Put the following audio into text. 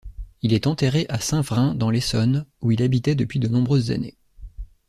Il est enterré à Saint-Vrain, dans l'Essonne, où il habitait depuis de nombreuses années.